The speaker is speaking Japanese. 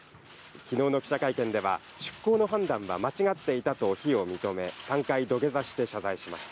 昨日の記者会見では出航の判断は間違っていたと非を認め、３回土下座して謝罪しまし